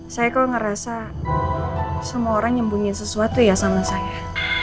saya kok ngerasa semua orang nyembunyi sesuatu ya sama saya